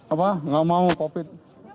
apa enggak mau covid